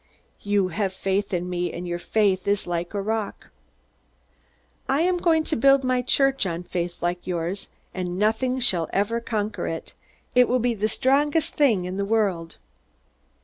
You have faith in me, and your faith is like a rock. I am going to build my Church on faith like yours, and nothing shall ever conquer it. It will be the strongest thing in all the world.